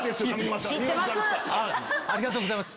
ありがとうございます。